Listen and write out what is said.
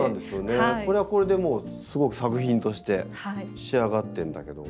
これはこれでもうすごく作品として仕上がってるんだけど。